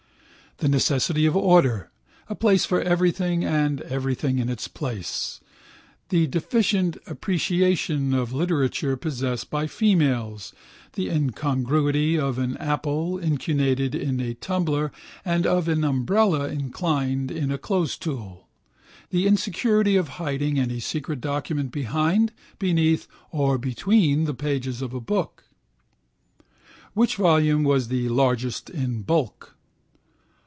The necessity of order, a place for everything and everything in its place: the deficient appreciation of literature possessed by females: the incongruity of an apple incuneated in a tumbler and of an umbrella inclined in a closestool: the insecurity of hiding any secret document behind, beneath or between the pages of a book. Which volume was the largest in bulk?